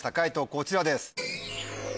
こちらです。